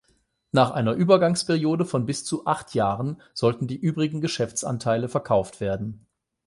Nach einer Übergangsperiode von bis zu acht Jahren sollten die übrigen Geschäftsanteile verkauft werden.